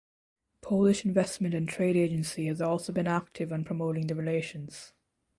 Polish Investment and Trade Agency has also been active on promoting the relations.